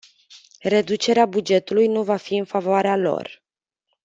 Reducerea bugetului nu va fi în favoarea lor.